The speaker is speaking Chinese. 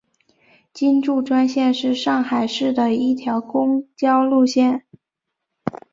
金祝专线是上海市的一条公交路线。